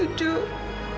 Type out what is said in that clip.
tadinya camilla sudah setuju